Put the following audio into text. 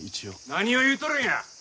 何を言うとるんや！